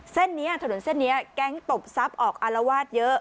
เส้นนี้ถนนเส้นนี้แก๊งตบทรัพย์ออกอารวาสเยอะ